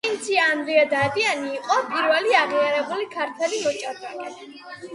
პრინცი ანდრია დადიანი იყო პირველი აღიარებული ქართველი მოჭადრაკე